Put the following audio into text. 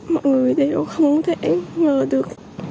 mọi người đều không thể ngờ được